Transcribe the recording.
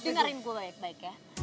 dengerin gue baik baik ya